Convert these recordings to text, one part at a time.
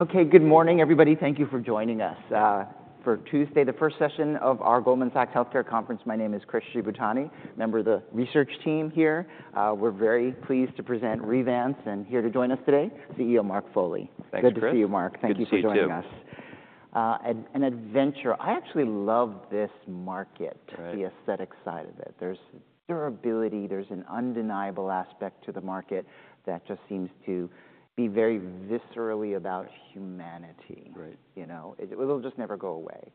Okay, good morning, everybody. Thank you for joining us for Tuesday, the first session of our Goldman Sachs Healthcare conference. My name is Chris Shibutani, member of the research team here. We're very pleased to present Revance, and here to join us today, CEO, Mark Foley. Thanks, Chris. Good to see you, Mark. Good to see you, too. Thank you for joining us. An adventure. I actually love this market. Right The aesthetic side of it. There's durability, there's an undeniable aspect to the market that just seems to be very viscerally about humanity. Right. You know? It'll just never go away.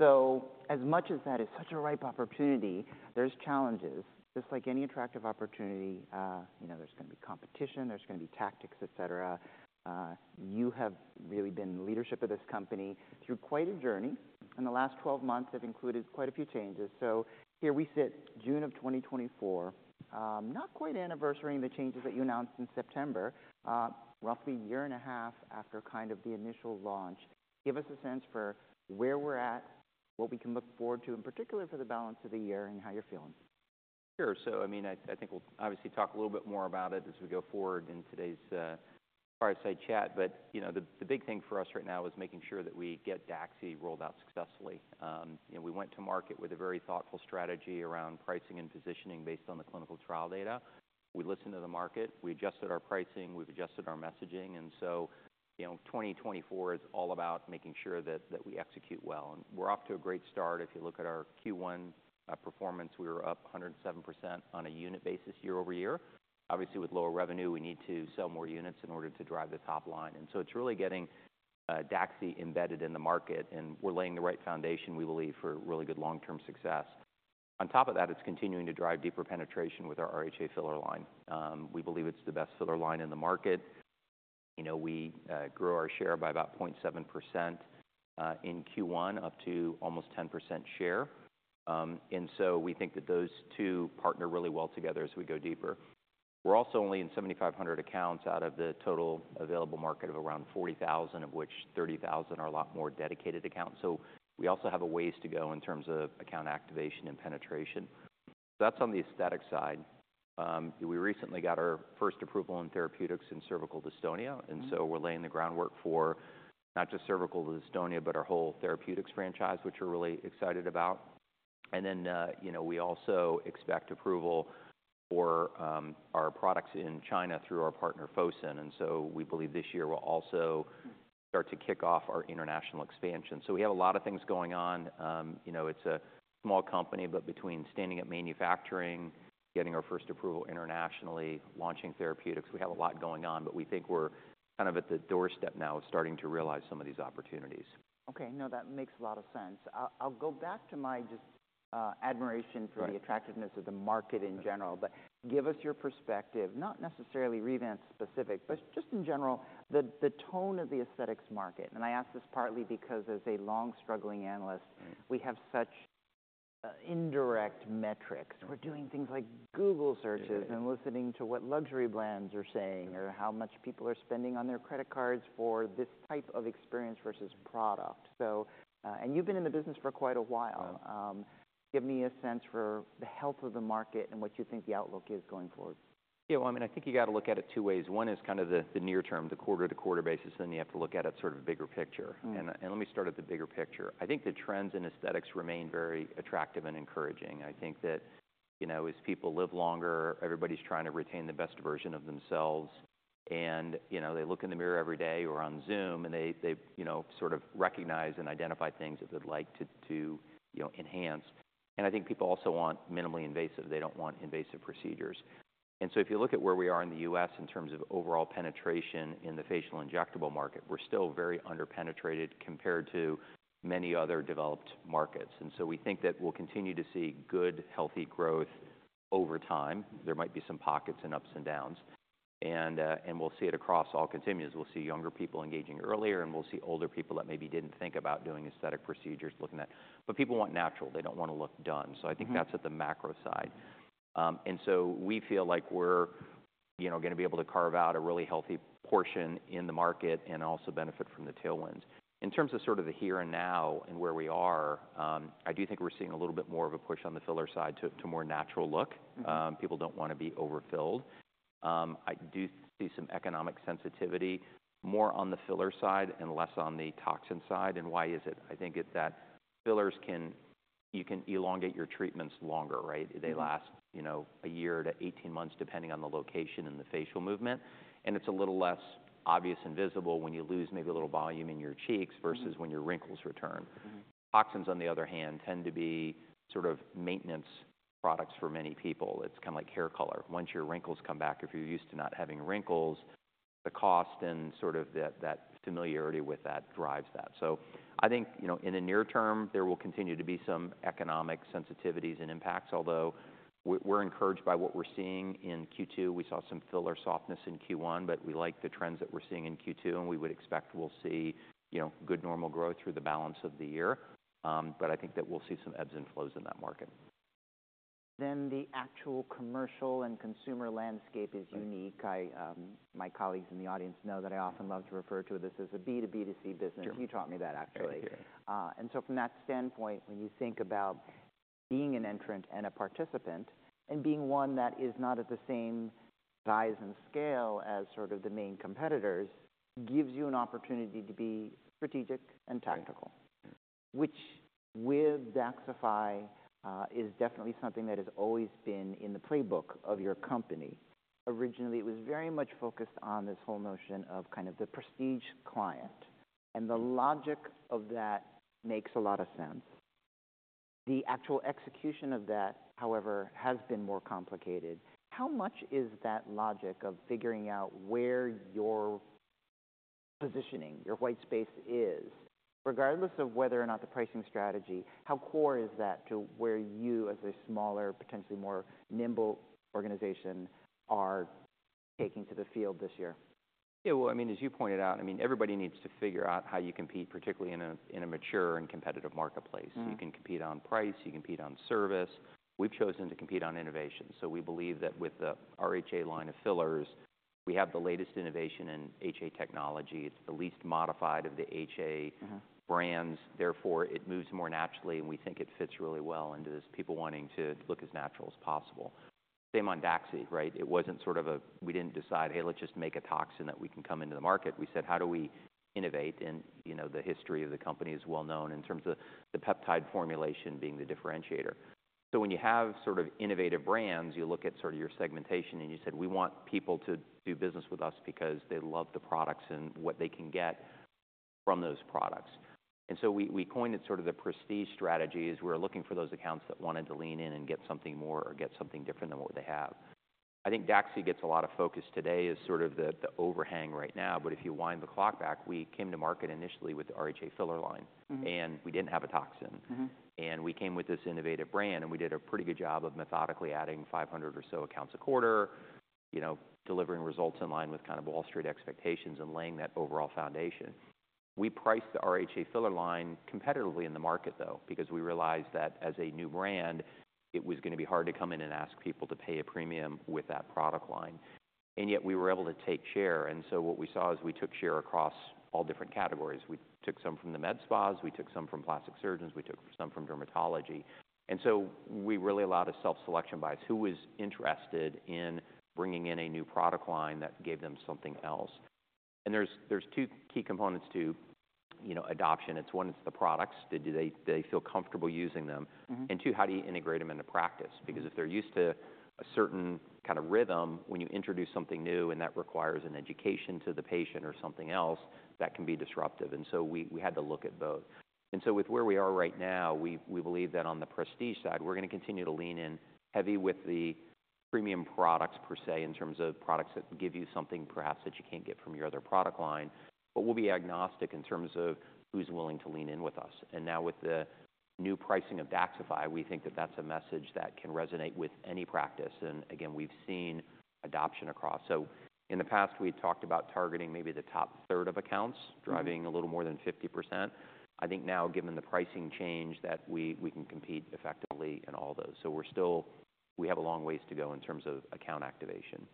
So as much as that is such a ripe opportunity, there's challenges. Just like any attractive opportunity, you know, there's gonna be competition, there's gonna be tactics, et cetera. You have really been the leadership of this company through quite a journey, and the last 12 months have included quite a few changes. So here we sit, June of 2024, not quite anniversarying the changes that you announced in September, roughly a year and a half after kind of the initial launch. Give us a sense for where we're at, what we can look forward to, in particular, for the balance of the year, and how you're feeling. Sure. So I mean, I think we'll obviously talk a little bit more about it as we go forward in today's fireside chat. But, you know, the big thing for us right now is making sure that we get DAXXIFY rolled out successfully. You know, we went to market with a very thoughtful strategy around pricing and positioning based on the clinical trial data. We listened to the market, we adjusted our pricing, we've adjusted our messaging, and so, you know, 2024 is all about making sure that we execute well. And we're off to a great start. If you look at our Q1 performance, we were up 107% on a unit basis, year over year. Obviously, with lower revenue, we need to sell more units in order to drive the top line. So it's really getting DAXXIFY embedded in the market, and we're laying the right foundation, we believe, for really good long-term success. On top of that, it's continuing to drive deeper penetration with our RHA filler line. We believe it's the best filler line in the market. You know, we grew our share by about 0.7% in Q1, up to almost 10% share. And so we think that those two pair really well together as we go deeper. We're also only in 7,500 accounts out of the total available market of around 40,000, of which 30,000 are a lot more dedicated accounts. So we also have a ways to go in terms of account activation and penetration. That's on the aesthetic side. We recently got our first approval in therapeutics in cervical dystonia. Mm-hmm And so we're laying the groundwork for not just cervical dystonia, but our whole therapeutics franchise, which we're really excited about. And then, you know, we also expect approval for our products in China through our partner, Fosun. And so we believe this year will also. Mm To start to kick off our international expansion. So we have a lot of things going on. You know, it's a small company, but between standing up manufacturing, getting our first approval internationally, launching therapeutics, we have a lot going on, but we think we're kind of at the doorstep now of starting to realize some of these opportunities. Okay. No, that makes a lot of sense. I'll go back to my just, admiration- Right -For the attractiveness of the market in general. Yeah. But give us your perspective, not necessarily Revance-specific, but just in general, the tone of the aesthetics market. And I ask this partly because as a long-struggling analyst. Right We have such indirect metrics. Right. We're doing things like Google searches and listening to what luxury brands are saying, or how much people are spending on their credit cards for this type of experience versus product. So, and you've been in the business for quite a while. Yeah. Give me a sense for the health of the market and what you think the outlook is going forward? Yeah, well, I mean, I think you got to look at it two ways. One is kind of the near term, the quarter-to-quarter basis, then you have to look at it sort of bigger picture. Mm. And, and let me start at the bigger picture. I think the trends in aesthetics remain very attractive and encouraging. I think that, you know, as people live longer, everybody's trying to retain the best version of themselves. And, you know, they look in the mirror every day or on Zoom, and they, they, you know, sort of recognize and identify things that they'd like to, to, you know, enhance. And I think people also want minimally invasive. They don't want invasive procedures. And so if you look at where we are in the U.S. in terms of overall penetration in the facial injectable market, we're still very under-penetrated compared to many other developed markets, and so we think that we'll continue to see good, healthy growth over time. There might be some pockets and ups and downs. And, and we'll see it across all continuums. We'll see younger people engaging earlier, and we'll see older people that maybe didn't think about doing aesthetic procedures, looking at it. But people want natural. They don't want to look done. Mm-hmm. I think that's at the macro side. We feel like we're, you know, gonna be able to carve out a really healthy portion in the market and also benefit from the tailwinds. In terms of sort of the here and now and where we are, I do think we're seeing a little bit more of a push on the filler side to more natural look. Mm-hmm. People don't want to be overfilled. I do see some economic sensitivity, more on the filler side and less on the toxin side. And why is it? I think it's that fillers can you can elongate your treatments longer, right? Mm-hmm. They last, you know, 1 year to 18 months, depending on the location and the facial movement, and it's a little less obvious and visible when you lose maybe a little volume in your cheeks. Mm Versus when your wrinkles return. Mm-hmm. Toxins, on the other hand, tend to be sort of maintenance products for many people. It's kind of like hair color. Once your wrinkles come back, if you're used to not having wrinkles, the cost and sort of that, that familiarity with that drives that. So I think, you know, in the near term, there will continue to be some economic sensitivities and impacts, although we're encouraged by what we're seeing in Q2. We saw some filler softness in Q1, but we like the trends that we're seeing in Q2, and we would expect we'll see, you know, good normal growth through the balance of the year. But I think that we'll see some ebbs and flows in that market. Then the actual commercial and consumer landscape is unique. Right. I, my colleagues in the audience know that I often love to refer to this as a B2B2C business. Sure. You taught me that, actually. Thank you. And so from that standpoint, being an entrant and a participant, and being one that is not at the same size and scale as sort of the main competitors, gives you an opportunity to be strategic and tactical, which with DAXXIFY is definitely something that has always been in the playbook of your company. Originally, it was very much focused on this whole notion of kind of the prestige client, and the logic of that makes a lot of sense. The actual execution of that, however, has been more complicated. How much is that logic of figuring out where your positioning, your white space is, regardless of whether or not the pricing strategy, how core is that to where you, as a smaller, potentially more nimble organization, are taking to the field this year? Yeah, well, I mean, as you pointed out, I mean, everybody needs to figure out how you compete, particularly in a mature and competitive marketplace. Mm-hmm. You can compete on price, you compete on service. We've chosen to compete on innovation. We believe that with the RHA line of fillers, we have the latest innovation in HA technology. It's the least modified of the HA- Mm-hmm -Brands, therefore, it moves more naturally, and we think it fits really well into this people wanting to look as natural as possible. Same on Daxi, right? It wasn't sort of a... We didn't decide, "Hey, let's just make a toxin that we can come into the market." We said, "How do we innovate?" And, you know, the history of the company is well known in terms of the peptide formulation being the differentiator. So when you have sort of innovative brands, you look at sort of your segmentation, and you said, "We want people to do business with us because they love the products and what they can get from those products." And so we, we coined it sort of the prestige strategy, as we're looking for those accounts that wanted to lean in and get something more or get something different than what they have. I think Daxi gets a lot of focus today as sort of the overhang right now, but if you wind the clock back, we came to market initially with the RHA filler line. Mm-hmm. We didn't have a toxin. Mm-hmm. We came with this innovative brand, and we did a pretty good job of methodically adding 500 or so accounts a quarter, you know, delivering results in line with kind of Wall Street expectations and laying that overall foundation. We priced the RHA filler line competitively in the market, though, because we realized that as a new brand, it was gonna be hard to come in and ask people to pay a premium with that product line. Yet, we were able to take share, and so what we saw is we took share across all different categories. We took some from the med spas, we took some from plastic surgeons, we took some from dermatology. So we really allowed a self-selection bias. Who was interested in bringing in a new product line that gave them something else? There's two key components to, you know, adoption. It's one, it's the products. Did they feel comfortable using them? Mm-hmm. And two, how do you integrate them into practice? Because if they're used to a certain kind of rhythm, when you introduce something new and that requires an education to the patient or something else, that can be disruptive, and so we, we had to look at both. And so with where we are right now, we, we believe that on the prestige side, we're gonna continue to lean in heavy with the premium products per se, in terms of products that give you something perhaps that you can't get from your other product line. But we'll be agnostic in terms of who's willing to lean in with us. And now with the new pricing of DAXXIFY, we think that that's a message that can resonate with any practice. And again, we've seen adoption across. So in the past, we've talked about targeting maybe the top third of accounts. Mm-hmm Driving a little more than 50%. I think now, given the pricing change, that we, we can compete effectively in all those. So we're still... We have a long ways to go in terms of account activation.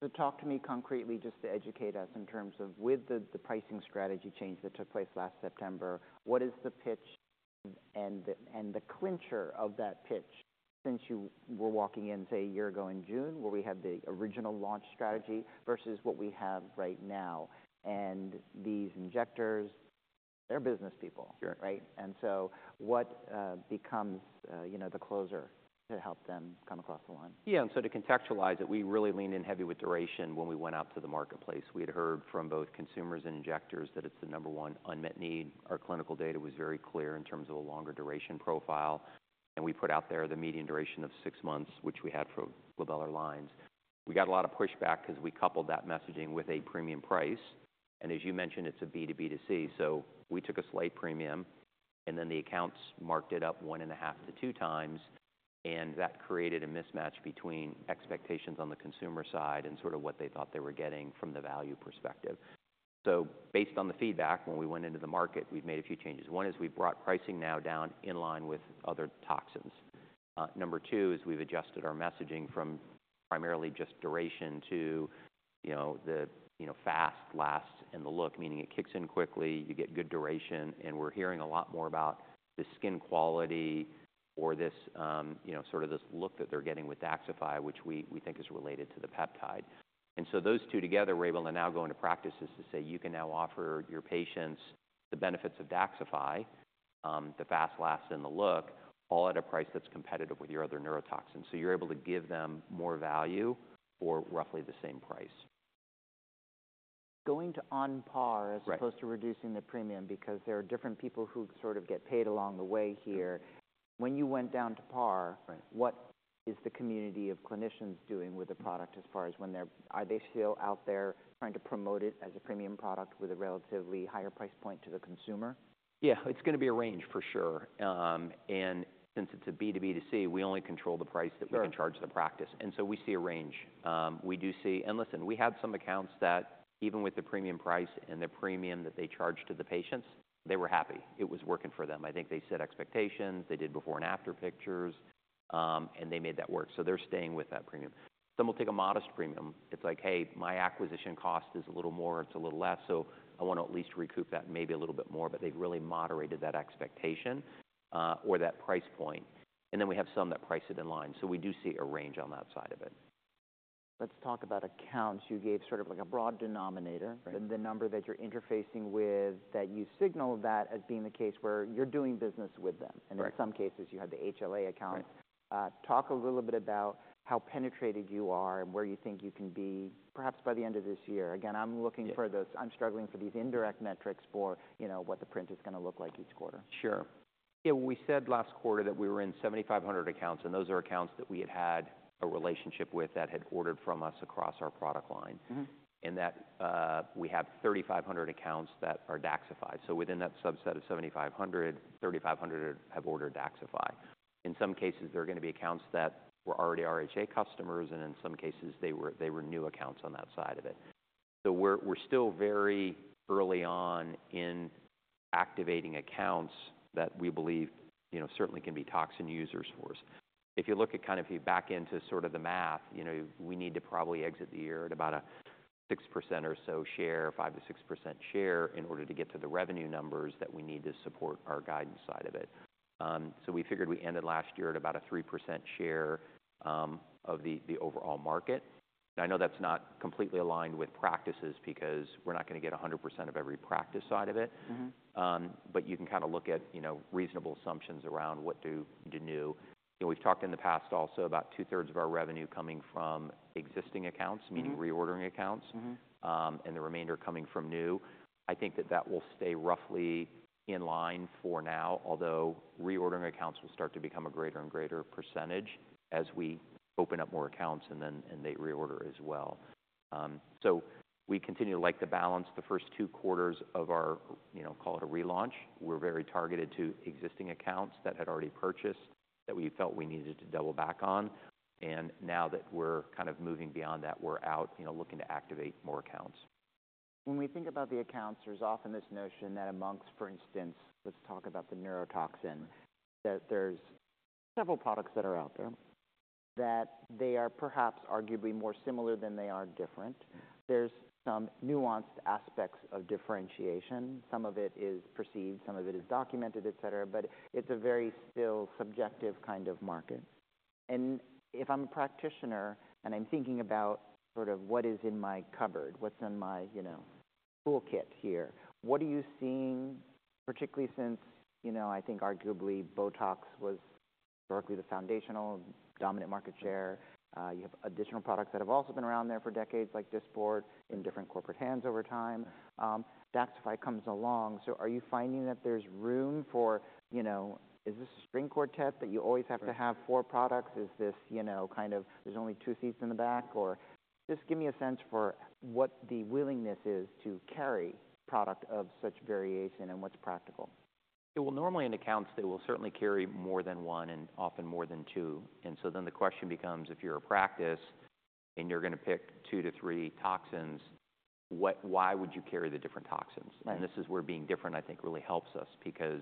So talk to me concretely, just to educate us, in terms of with the pricing strategy change that took place last September, what is the pitch and the clincher of that pitch since you were walking in, say, a year ago in June, where we had the original launch strategy versus what we have right now? These injectors, they're business people. Sure Right? And so what becomes, you know, the closer to help them come across the line? Yeah. And so to contextualize it, we really leaned in heavy with duration when we went out to the marketplace. We had heard from both consumers and injectors that it's the number one unmet need. Our clinical data was very clear in terms of a longer duration profile, and we put out there the median duration of 6 months, which we had for with all our lines. We got a lot of pushback because we coupled that messaging with a premium price, and as you mentioned, it's a B2B2C, so we took a slight premium, and then the accounts marked it up 1.5-2 times, and that created a mismatch between expectations on the consumer side and sort of what they thought they were getting from the value perspective. So based on the feedback, when we went into the market, we've made a few changes. One is we've brought pricing now down in line with other toxins. Number two is we've adjusted our messaging from primarily just duration to, you know, the, you know, fast, lasts, and the look, meaning it kicks in quickly, you get good duration, and we're hearing a lot more about the skin quality or this, you know, sort of this look that they're getting with DAXXIFY, which we, we think is related to the peptide. And so those two together, we're able to now go into practices to say: "You can now offer your patients the benefits of DAXXIFY, the fast, last, and the look, all at a price that's competitive with your other neurotoxins. So you're able to give them more value for roughly the same price. Going to on par. Right As opposed to reducing the premium, because there are different people who sort of get paid along the way here. Sure. When you went down to par. Right What is the community of clinicians doing with the product as far as when they're... Are they still out there trying to promote it as a premium product with a relatively higher price point to the consumer? Yeah, it's gonna be a range, for sure. And since it's a B2B2C, we only control the price- Sure -That we can charge the practice, and so we see a range. We do see, and listen, we have some accounts that even with the premium price and the premium that they charge to the patients, they were happy. It was working for them. I think they set expectations, they did before and after pictures and they made that work. So they're staying with that premium. Some will take a modest premium. It's like, "Hey, my acquisition cost is a little more, it's a little less, so I want to at least recoup that, maybe a little bit more," but they've really moderated that expectation, or that price point. And then we have some that price it in line. So we do see a range on that side of it. Let's talk about accounts. You gave sort of like a broad denominator. Right The number that you're interfacing with, that you signaled that as being the case where you're doing business with them. Right. In some cases, you have the HA accounts. Right. Talk a little bit about how penetrated you are and where you think you can be, perhaps by the end of this year. Again, I'm looking for those. Yeah. I'm struggling for these indirect metrics for, you know, what the print is gonna look like each quarter. Sure. Yeah, we said last quarter that we were in 7,500 accounts, and those are accounts that we had had a relationship with that had ordered from us across our product line. Mm-hmm. That we have 3,500 accounts that are DAXXIFY. So within that subset of 7,500, 3,500 have ordered DAXXIFY. In some cases, they're gonna be accounts that were already RHA customers, and in some cases, they were, they were new accounts on that side of it. So we're, we're still very early on in activating accounts that we believe, you know, certainly can be toxin users for us. If you look at kind of if you back into sort of the math, you know, we need to probably exit the year at about a 6% or so share, 5%-6% share, in order to get to the revenue numbers that we need to support our guidance side of it. So we figured we ended last year at about a 3% share of the overall market. I know that's not completely aligned with practices because we're not gonna get 100% of every practice side of it. Mm-hmm. But you can kinda look at, you know, reasonable assumptions around what do you do new. And we've talked in the past also about two-thirds of our revenue coming from existing accounts. Mm-hmm Meaning reordering accounts. Mm-hmm. And the remainder coming from new. I think that that will stay roughly in line for now, although reordering accounts will start to become a greater and greater percentage as we open up more accounts and then, and they reorder as well. So we continue to like the balance. The first two quarters of our, you know, call it a relaunch, we're very targeted to existing accounts that had already purchased, that we felt we needed to double back on. And now that we're kind of moving beyond that, we're out, you know, looking to activate more accounts. When we think about the accounts, there's often this notion that amongst, for instance, let's talk about the neurotoxin, that there's several products that are out there, that they are perhaps arguably more similar than they are different. There's some nuanced aspects of differentiation. Some of it is perceived, some of it is documented, et cetera, but it's a very still subjective kind of market. And if I'm a practitioner, and I'm thinking about sort of what is in my cupboard, what's in my, you know, toolkit here, what are you seeing, particularly since, you know, I think arguably, Botox was historically the foundational, dominant market share. You have additional products that have also been around there for decades, like Dysport, in different corporate hands over time. DAXXIFY comes along, so are you finding that there's room for, you know, is this a string quartet that you always have. Right To have four products? Is this, you know, kind of there's only two seats in the back or? Just give me a sense for what the willingness is to carry product of such variation, and what's practical. Yeah, well, normally in accounts, they will certainly carry more than one and often more than two. And so then the question becomes, if you're a practice and you're gonna pick two to three toxins, why would you carry the different toxins? Right. This is where being different, I think, really helps us because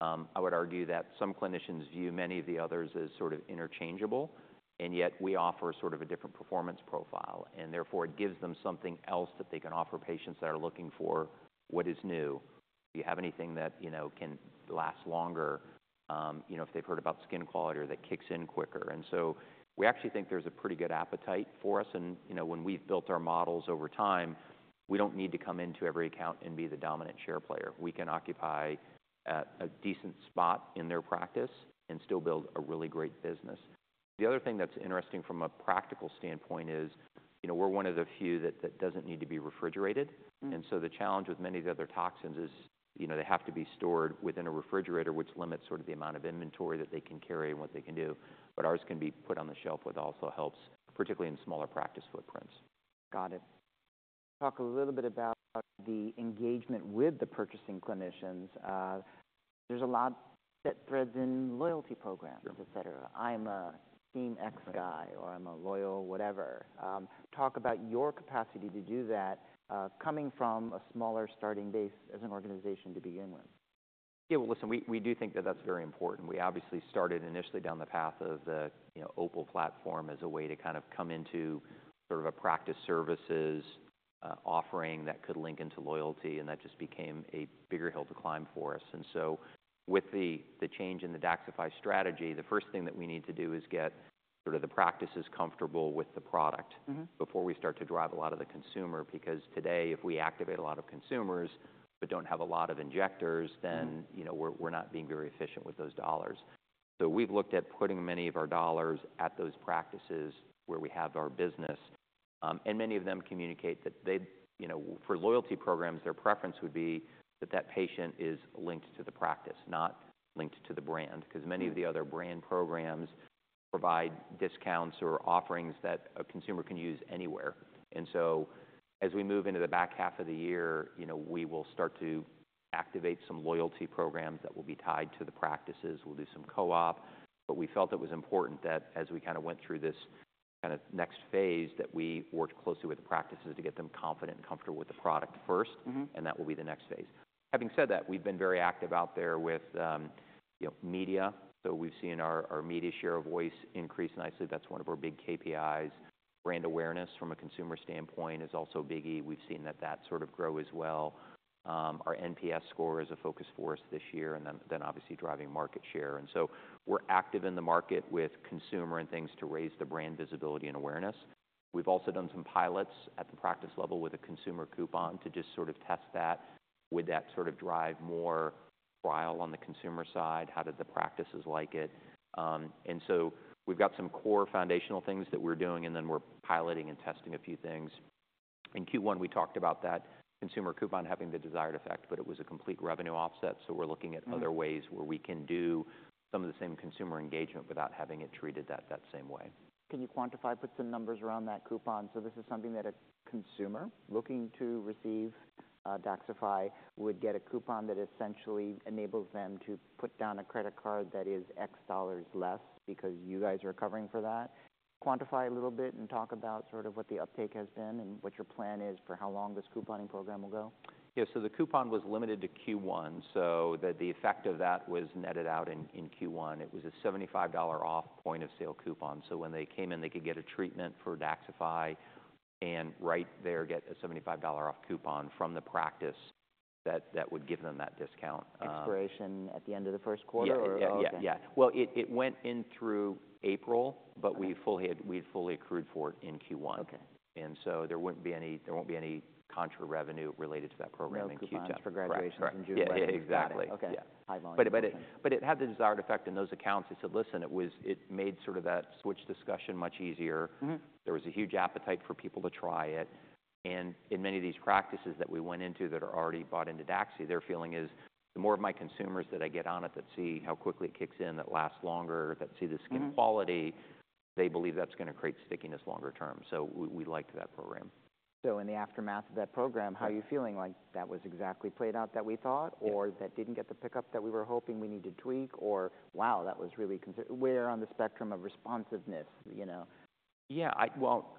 I would argue that some clinicians view many of the others as sort of interchangeable, and yet we offer sort of a different performance profile, and therefore, it gives them something else that they can offer patients that are looking for what is new. "Do you have anything that, you know, can last longer?" You know, if they've heard about skin quality or that kicks in quicker. And so we actually think there's a pretty good appetite for us, and, you know, when we've built our models over time, we don't need to come into every account and be the dominant share player. We can occupy a decent spot in their practice and still build a really great business. The other thing that's interesting from a practical standpoint is, you know, we're one of the few that doesn't need to be refrigerated. Mm-hmm. The challenge with many of the other toxins is, you know, they have to be stored within a refrigerator, which limits sort of the amount of inventory that they can carry and what they can do. Ours can be put on the shelf, which also helps, particularly in smaller practice footprints. Got it. Talk a little bit about the engagement with the purchasing clinicians. There's a lot that threads in loyalty programs. Sure Et cetera. "I'm a team X guy," or, "I'm a loyal whatever." Talk about your capacity to do that, coming from a smaller starting base as an organization to begin with. Yeah, well, listen, we do think that that's very important. We obviously started initially down the path of the, you know, OPUL platform as a way to kind of come into sort of a practice services offering that could link into loyalty, and that just became a bigger hill to climb for us. And so with the change in the DAXXIFY strategy, the first thing that we need to do is get sort of the practices comfortable with the product- Mm-hmm before we start to drive a lot of the consumer, because today, if we activate a lot of consumers but don't have a lot of injectors, then. Mm-hmm You know, we're not being very efficient with those dollars. So we've looked at putting many of our dollars at those practices where we have our business, and many of them communicate that they, you know... For loyalty programs, their preference would be that that patient is linked to the practice, not linked to the brand. Mm-hmm. Because many of the other brand programs provide discounts or offerings that a consumer can use anywhere. And so as we move into the back half of the year, you know, we will start to activate some loyalty programs that will be tied to the practices. We'll do some co-op, but we felt it was important that as we kind of went through this kind of next phase that we worked closely with the practices to get them confident and comfortable with the product first. Mm-hmm. That will be the next phase. Having said that, we've been very active out there with, you know, media. So we've seen our media share of voice increase nicely. That's one of our big KPIs. Brand awareness from a consumer standpoint is also biggie. We've seen that sort of grow as well. Our NPS score is a focus for us this year, and then obviously driving market share. And so we're active in the market with consumer and things to raise the brand visibility and awareness. We've also done some pilots at the practice level with a consumer coupon to just sort of test that. Would that sort of drive more trial on the consumer side? How did the practices like it? And so we've got some core foundational things that we're doing, and then we're piloting and testing a few things. In Q1, we talked about that consumer coupon having the desired effect, but it was a complete revenue offset, so we're looking at- Mm -Other ways where we can do some of the same consumer engagement without having it treated that, that same way. Can you quantify, put some numbers around that coupon? So this is something that a consumer looking to receive DAXXIFY would get a coupon that essentially enables them to put down a credit card that is X dollars less because you guys are covering for that. Quantify a little bit and talk about sort of what the uptake has been and what your plan is for how long this couponing program will go. Yeah, so the coupon was limited to Q1, so the effect of that was netted out in Q1. It was a $75 off point of sale coupon. So when they came in, they could get a treatment for DAXXIFY and right there get a $75 off coupon from the practice that would give them that discount. Expiration at the end of the first quarter, or? Yeah. Yeah, yeah. Okay. Well, it went in through April. Okay But we had fully accrued for it in Q1. Okay. And so there won't be any contra revenue related to that program in Q2. No coupons for graduations. Correct, correct In June. Yeah, yeah, exactly. Okay. Yeah. High volume. But it had the desired effect in those accounts. They said, "Listen," it made sort of that switch discussion much easier. Mm-hmm. There was a huge appetite for people to try it. In many of these practices that we went into that are already bought into DAXXI, their feeling is: The more of my consumers that I get on it, that see how quickly it kicks in, that lasts longer, that see the skin quality. Mm-hmm They believe that's gonna create stickiness longer term. So we, we liked that program. So in the aftermath of that program. Yeah How are you feeling? Like, that was exactly played out that we thought. Yeah Or that didn't get the pickup that we were hoping, we need to tweak, or wow, that was really consi, where on the spectrum of responsiveness, you know? Yeah, well,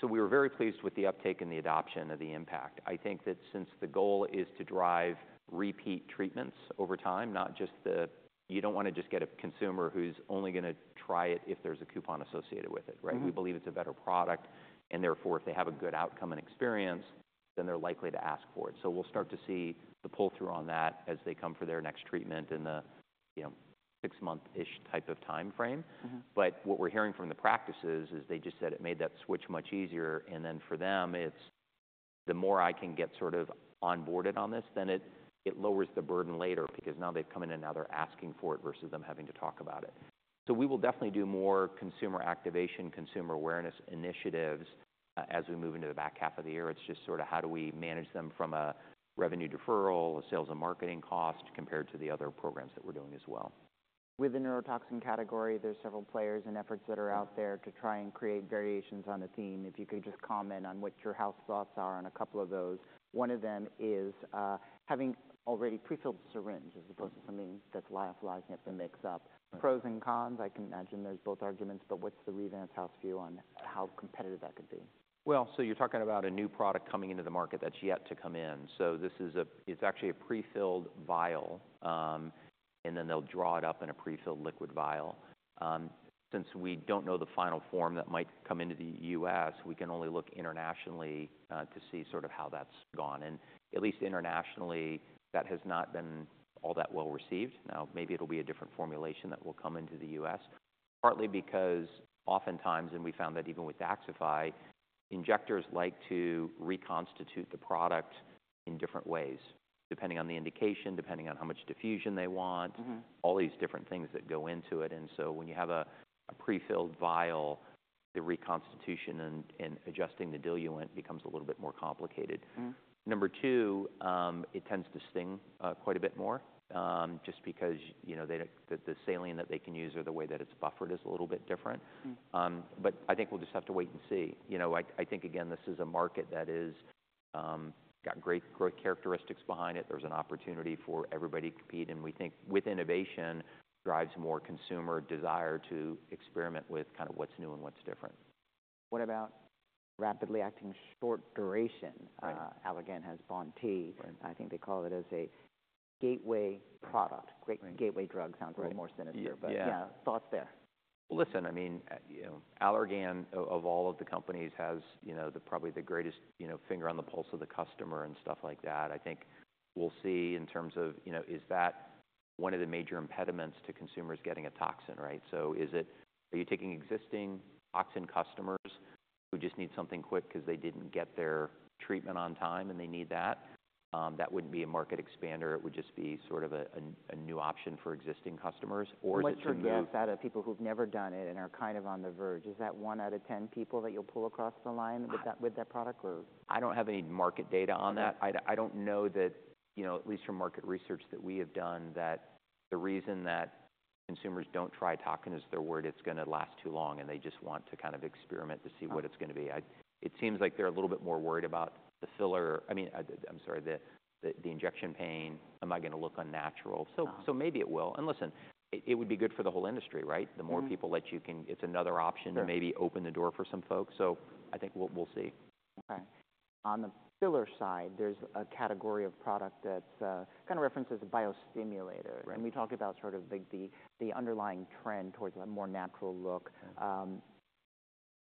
so we were very pleased with the uptake and the adoption of the impact. I think that since the goal is to drive repeat treatments over time, not just the, you don't wanna just get a consumer who's only gonna try it if there's a coupon associated with it, right? Mm-hmm. We believe it's a better product, and therefore, if they have a good outcome and experience, then they're likely to ask for it. So we'll start to see the pull-through on that as they come for their next treatment in the, you know, 6 month-ish type of timeframe. Mm-hmm. But what we're hearing from the practices is they just said it made that switch much easier, and then for them, it's the more I can get sort of onboarded on this, then it, it lowers the burden later because now they've come in and now they're asking for it versus them having to talk about it. So we will definitely do more consumer activation, consumer awareness initiatives, as we move into the back half of the year. It's just sort of how do we manage them from a revenue deferral, a sales and marketing cost, compared to the other programs that we're doing as well. With the neurotoxin category, there's several players and efforts that are out there to try and create variations on a theme. If you could just comment on what your house thoughts are on a couple of those? One of them is having already prefilled syringe as opposed to something that's lyophilized, and it's a mix-up. Right. Pros and cons, I can imagine there's both arguments, but what's the Revance house view on how competitive that could be? Well, so you're talking about a new product coming into the market that's yet to come in. So this is it's actually a prefilled vial, and then they'll draw it up in a prefilled liquid vial. Since we don't know the final form that might come into the U.S., we can only look internationally, to see sort of how that's gone. And at least internationally, that has not been all that well received. Now, maybe it'll be a different formulation that will come into the U.S. Partly because oftentimes, and we found that even with DAXXIFY, injectors like to reconstitute the product in different ways, depending on the indication, depending on how much diffusion they want. Mm-hmm All these different things that go into it. And so when you have a prefilled vial, the reconstitution and adjusting the diluent becomes a little bit more complicated. Mm-hmm. Number two, it tends to sting quite a bit more, just because, you know, they, the saline that they can use or the way that it's buffered is a little bit different. Mm. But I think we'll just have to wait and see. You know, I think, again, this is a market that is got great growth characteristics behind it. There's an opportunity for everybody to compete, and we think with innovation, drives more consumer desire to experiment with kind of what's new and what's different. What about rapidly acting short duration? Right. Allergan has Bonti. Right I think they call it, as a gateway product. Right. Gateway drug sounds a little more sinister. Yeah But yeah. Thoughts there? Well, listen, I mean, you know, Allergan, of all of the companies, has, you know, probably the greatest, you know, finger on the pulse of the customer and stuff like that. I think we'll see in terms of, you know, is that one of the major impediments to consumers getting a toxin, right? So is it, are you taking existing toxin customers who just need something quick because they didn't get their treatment on time, and they need that? That wouldn't be a market expander. It would just be sort of a new option for existing customers. Or is it to move. What's your guess out of people who've never done it and are kind of on the verge? Is that 1 out of 10 people that you'll pull across the line with that, with that product, or? I don't have any market data on that. I don't know that, you know, at least from market research that we have done, that the reason that consumers don't try toxin is they're worried it's gonna last too long, and they just want to kind of experiment to see what it's gonna be. It seems like they're a little bit more worried about the filler. I mean, I'm sorry, the injection pain. Am I gonna look unnatural? Ah. So maybe it will. And listen, it would be good for the whole industry, right? Mm-hmm. The more people that you can, it's another option. Sure To maybe open the door for some folks. So I think we'll, we'll see. On the filler side, there's a category of product that kind of references a biostimulatory. Right. We talked about sort of the underlying trend towards a more natural look. Yeah.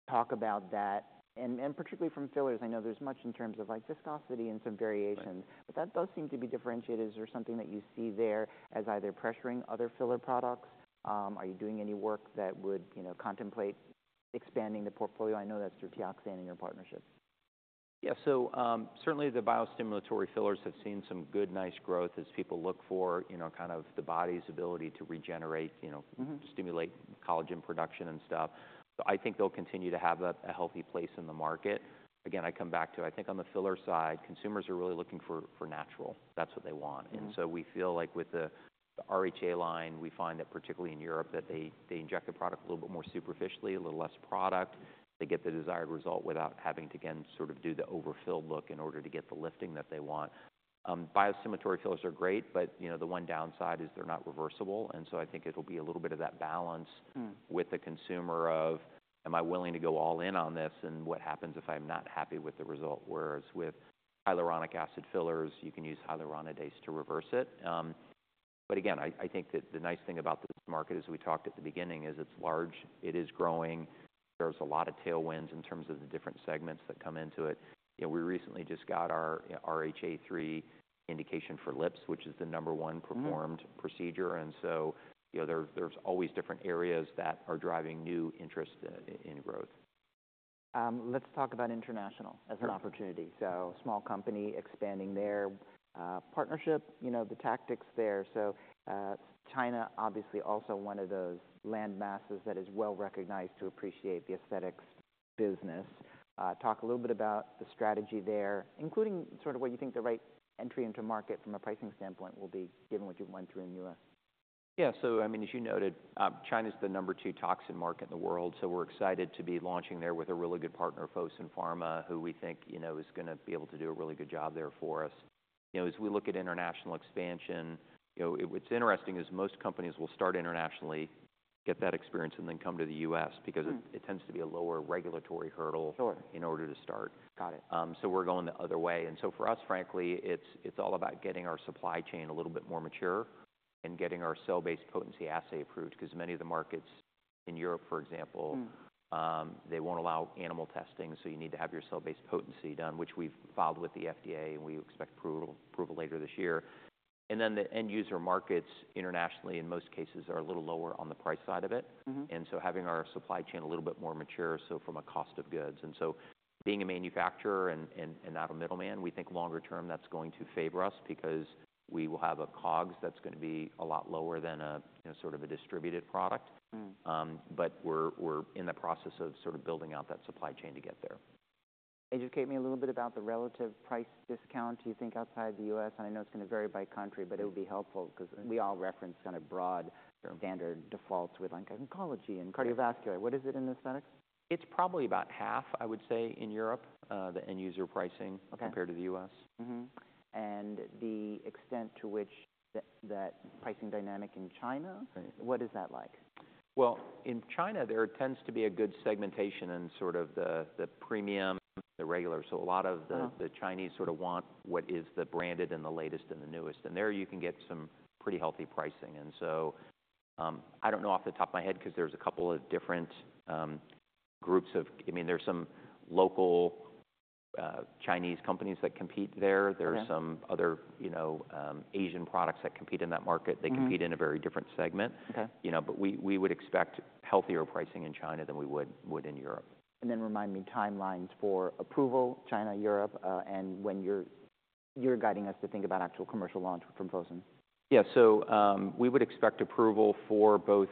Talk about that, and particularly from fillers, I know there's much in terms of like viscosity and some variations. Right. But that does seem to be differentiated. Is there something that you see there as either pressuring other filler products? Are you doing any work that would, you know, contemplate expanding the portfolio? I know that's through Teoxane and your partnership. Yeah. So, certainly the biostimulatory fillers have seen some good, nice growth as people look for, you know, kind of the body's ability to regenerate, you know. Mm-hmm To stimulate collagen production and stuff. So I think they'll continue to have a healthy place in the market. Again, I come back to, I think on the filler side, consumers are really looking for natural. That's what they want. Mm-hmm. And so we feel like with the RHA line, we find that, particularly in Europe, that they, they inject the product a little bit more superficially, a little less product. They get the desired result without having to, again, sort of do the overfill look in order to get the lifting that they want. Biostimulatory fillers are great, but, you know, the one downside is they're not reversible, and so I think it'll be a little bit of that balance. Mm With the consumer of, "Am I willing to go all in on this? And what happens if I'm not happy with the result?" Whereas with hyaluronic acid fillers, you can use hyaluronidase to reverse it. But again, I think that the nice thing about this market, as we talked at the beginning, is it's large, it is growing. There's a lot of tailwinds in terms of the different segments that come into it. You know, we recently just got our RHA 3 indication for lips, which is the number one. Mm-hmm Performed procedure. So, you know, there, there's always different areas that are driving new interest in growth. Let's talk about international. Sure As an opportunity. So small company expanding there. Partnership, you know, the tactics there. So, China obviously also one of those land masses that is well recognized to appreciate the aesthetics business. Talk a little bit about the strategy there, including sort of what you think the right entry into market from a pricing standpoint will be, given what you went through in the U.S. Yeah. So I mean, as you noted, China's the number two toxin market in the world, so we're excited to be launching there with a really good partner, Fosun Pharma, who we think, you know, is gonna be able to do a really good job there for us. You know, as we look at international expansion, you know, it, what's interesting is most companies will start internationally, get that experience, and then come to the US- Mm because it tends to be a lower regulatory hurdle. Sure in order to start. Got it. So we're going the other way. So for us, frankly, it's all about getting our supply chain a little bit more mature and getting our cell-based potency assay approved, because many of the markets in Europe, for example. Mm They won't allow animal testing, so you need to have your cell-based potency done, which we've filed with the FDA, and we expect approval later this year. And then the end user markets internationally, in most cases, are a little lower on the price side of it. Mm-hmm. And so having our supply chain a little bit more mature, so from a cost of goods. And so being a manufacturer and not a middleman, we think longer term, that's going to favor us because we will have a COGS that's gonna be a lot lower than a, you know, sort of a distributed product. Mm. But we're in the process of sort of building out that supply chain to get there. Educate me a little bit about the relative price discount you think outside the U.S. I know it's gonna vary by country. Yeah But it would be helpful because we all reference kind of broad Sure Standard defaults with like oncology and cardiovascular. Yeah. What is it in aesthetics? It's probably about half, I would say, in Europe, the end user pricing Okay Compared to the U.S. Mm-hmm. And the extent to which that, that pricing dynamic in China. Right What is that like? Well, in China, there tends to be a good segmentation in sort of the premium, the regular. So a lot of the Uh-huh The Chinese sort of want what is the branded and the latest and the newest. And there you can get some pretty healthy pricing. And so, I don't know off the top of my head, 'cause there's a couple of different, I mean, there's some local Chinese companies that compete there. Okay. There are some other, you know, Asian products that compete in that market. Mm-hmm. They compete in a very different segment. Okay. You know, but we would expect healthier pricing in China than we would in Europe. And then remind me, timelines for approval, China, Europe, and when you're... You're guiding us to think about actual commercial launch from Fosun? Yeah. So, we would expect approval for both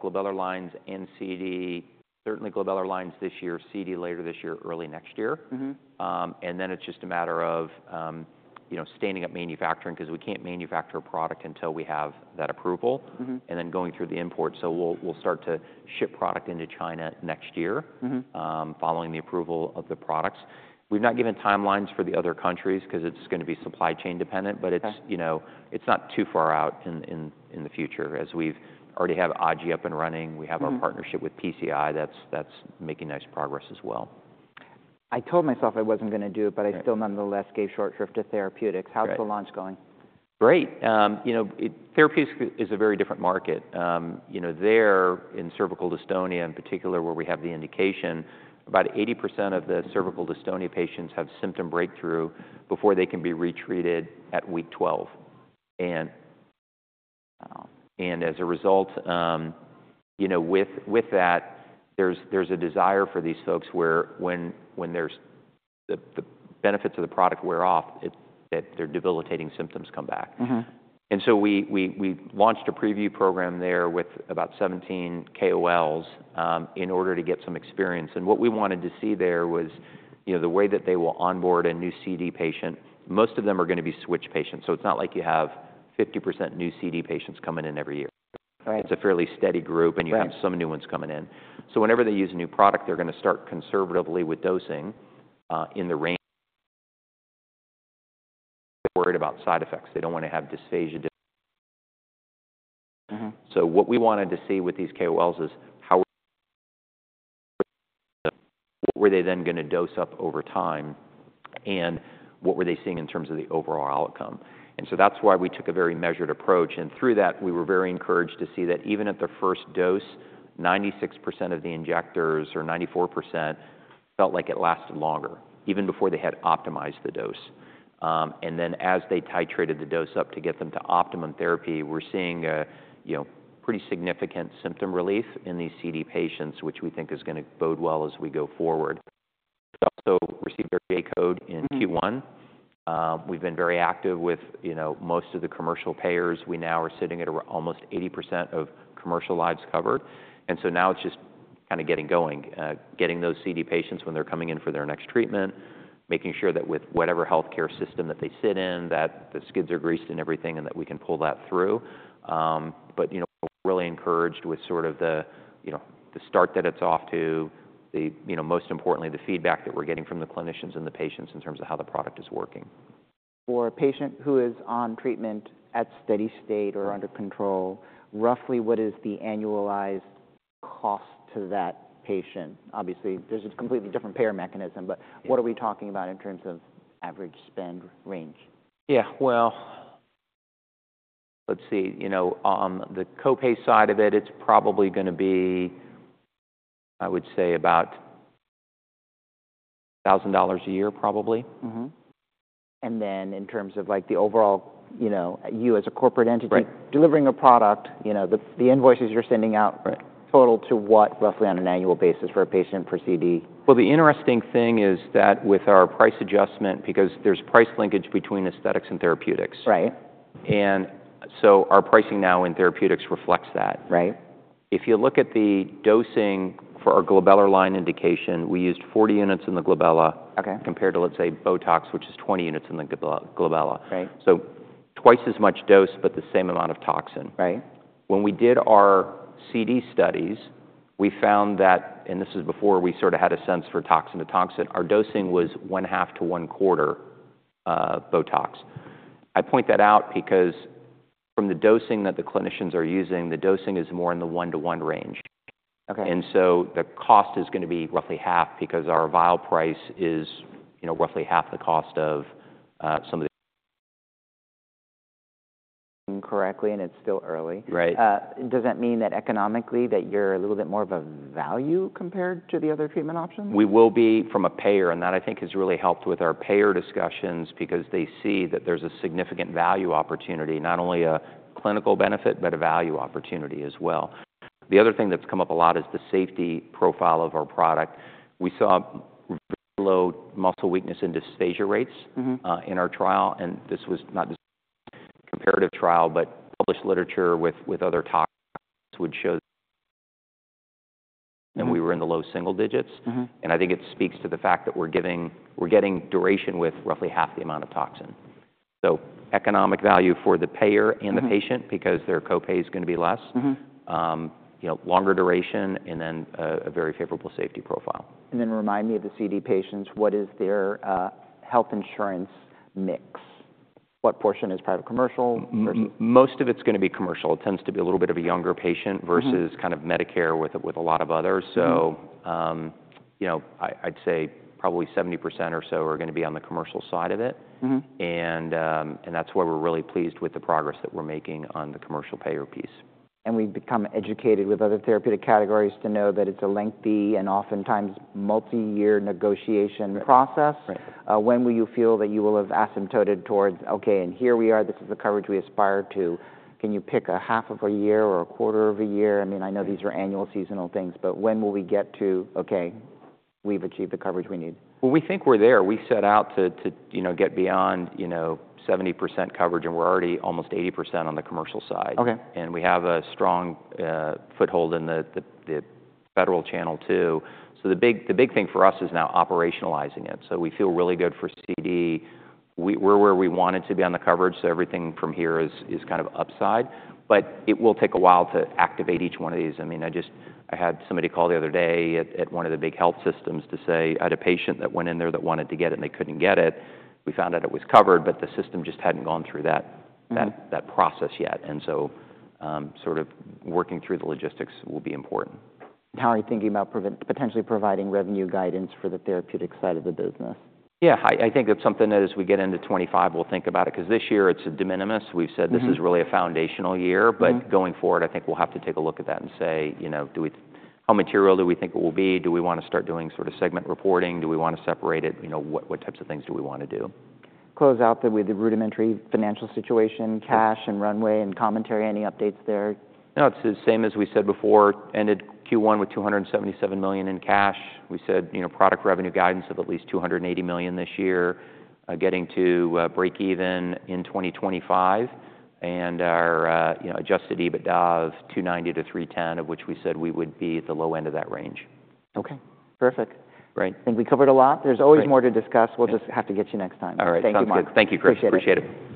glabellar lines and CD, certainly glabellar lines this year, CD later this year or early next year. Mm-hmm. And then it's just a matter of, you know, standing up manufacturing, 'cause we can't manufacture a product until we have that approval. Mm-hmm. And then going through the import. So we'll start to ship product into China next year. Mm-hmm Following the approval of the products. We've not given timelines for the other countries, 'cause it's gonna be supply chain dependent. Okay. But it's, you know, it's not too far out in the future, as we've already have RHA up and running. Mm-hmm. We have our partnership with PCI. That's making nice progress as well. I told myself I wasn't gonna do it. Right But I still nonetheless gave short shrift to therapeutics. Right. How's the launch going? Great. You know, Therapeutics is a very different market. You know, there in cervical dystonia in particular, where we have the indication, about 80% of the cervical dystonia patients have symptom breakthrough before they can be retreated at week 12. And as a result, you know, with that, there's a desire for these folks where when the benefits of the product wear off, that their debilitating symptoms come back. Mm-hmm. And so we launched a preview program there with about 17 KOLs in order to get some experience. What we wanted to see there was, you know, the way that they will onboard a new CD patient. Most of them are gonna be switch patients, so it's not like you have 50% new CD patients coming in every year. Right. It's a fairly steady group Right And you have some new ones coming in. So whenever they use a new product, they're gonna start conservatively with dosing, in the range... worried about side effects. They don't wanna have dysphagia. So what we wanted to see with these KOLs is how, what were they then gonna dose up over time, and what were they seeing in terms of the overall outcome? And so that's why we took a very measured approach, and through that, we were very encouraged to see that even at the first dose, 96% of the injectors, or 94%, felt like it lasted longer, even before they had optimized the dose. And then as they titrated the dose up to get them to optimum therapy, we're seeing a, you know, pretty significant symptom relief in these CD patients, which we think is gonna bode well as we go forward. We also received our J-Code in Q1. We've been very active with, you know, most of the commercial payers. We now are sitting at over almost 80% of commercial lives covered, and so now it's just kind of getting going, getting those CD patients when they're coming in for their next treatment, making sure that with whatever healthcare system that they sit in, that the skids are greased and everything, and that we can pull that through. But, you know, really encouraged with sort of the, you know, the start that it's off to, the, you know, most importantly, the feedback that we're getting from the clinicians and the patients in terms of how the product is working. For a patient who is on treatment at steady state or Right Under control, roughly what is the annualized cost to that patient? Obviously, there's a completely different payer mechanism, but. Yeah What are we talking about in terms of average spend range? Yeah, well, let's see, you know, on the copay side of it, it's probably gonna be, I would say, about $1,000 a year, probably. Mm-hmm. And then in terms of, like, the overall, you know, you as a corporate entity. Right Delivering a product, you know, the, the invoices you're sending out Right Total to what, roughly on an annual basis for a patient for CD? Well, the interesting thing is that with our price adjustment, because there's price linkage between aesthetics and therapeutics. Right. And so our pricing now in therapeutics reflects that. Right. If you look at the dosing for our glabellar line indication, we used 40 units in the glabella. Okay Compared to, let's say, Botox, which is 20 units in the glabella. Right. So twice as much dose, but the same amount of toxin. Right. When we did our CD studies, we found that, and this is before we sort of had a sense for toxin to toxin, our dosing was 1/2-1/4 Botox. I point that out because from the dosing that the clinicians are using, the dosing is more in the 1-to-1 range. Okay. And so the cost is gonna be roughly half because our vial price is, you know, roughly half the cost of some of the. Correctly, and it's still early. Right. Does that mean that economically, that you're a little bit more of a value compared to the other treatment options? We will be from a payer, and that, I think, has really helped with our payer discussions because they see that there's a significant value opportunity, not only a clinical benefit, but a value opportunity as well. The other thing that's come up a lot is the safety profile of our product. We saw very low muscle weakness and dysesthesia rates. Mm-hmm In our trial, and this was not just a comparative trial, but published literature with, with other toxins which show... And we were in the low single digits. Mm-hmm. I think it speaks to the fact that we're getting duration with roughly half the amount of toxin. So economic value for the payer. Mm-hmm And the patient because their copay is gonna be less. Mm-hmm. you know, longer duration, and then, a very favorable safety profile. And then remind me of the CD patients, what is their health insurance mix? What portion is private commercial. Most of it's gonna be commercial. It tends to be a little bit of a younger patient versus. Mm-hmm Kind of Medicare with a, with a lot of others. Mm-hmm. You know, I'd say probably 70% or so are gonna be on the commercial side of it. Mm-hmm. That's where we're really pleased with the progress that we're making on the commercial payer piece. We've become educated with other therapeutic categories to know that it's a lengthy and oftentimes multiyear negotiation. Right Process. Right. When will you feel that you will have asymptoted towards, "Okay, and here we are, this is the coverage we aspire to?" Can you pick a half of a year or a quarter of a year? I mean, I know these are annual seasonal things, but when will we get to, "Okay, we've achieved the coverage we need? Well, we think we're there. We set out to, you know, get beyond, you know, 70% coverage, and we're already almost 80% on the commercial side. Okay. And we have a strong foothold in the federal channel, too. So the big thing for us is now operationalizing it. So we feel really good for CD. We're where we wanted to be on the coverage, so everything from here is kind of upside, but it will take a while to activate each one of these. I mean, I just, I had somebody call the other day at one of the big health systems to say, "I had a patient that went in there that wanted to get it, and they couldn't get it." We found out it was covered, but the system just hadn't gone through that- Mm-hmm That, that process yet, and so, sort of working through the logistics will be important. How are you thinking about potentially providing revenue guidance for the therapeutic side of the business? Yeah, I think it's something that as we get into 2025, we'll think about it because this year it's a de minimis. Mm-hmm. We've said this is really a foundational year. Mm-hmm. But going forward, I think we'll have to take a look at that and say, you know, do we, how material do we think it will be? Do we wanna start doing sort of segment reporting? Do we wanna separate it? You know, what, what types of things do we wanna do? Close out then with the rudimentary financial situation. Sure. Cash and runway and commentary. Any updates there? No, it's the same as we said before, ended Q1 with $277 million in cash. We said, you know, product revenue guidance of at least $280 million this year, getting to breakeven in 2025, and our, you know, adjusted EBITDA of $290 million-$310 million, of which we said we would be at the low end of that range. Okay, perfect. Great. I think we covered a lot. Great. There's always more to discuss. Great. We'll just have to get you next time. All right. Thank you, Mark. Sounds good. Thank you, Chris. Appreciate it. Appreciate it.